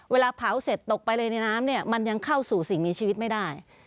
เวลาเผาเสร็จตกไปเลยในน้ำเนี่ยมันยังเข้าสู่สิ่งมีชีวิตไม่ได้